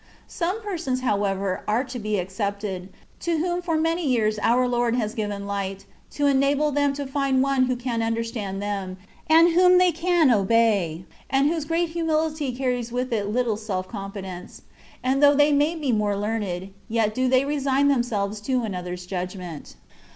Some persons, however, are to be excepted, to whom for many years our Lord has given light, to enable them to find one who can understand them, and whom they can obey, and whose great humility carries with it little self confidence; and though they may be more learned, yet do they resign them selves to another's judgment.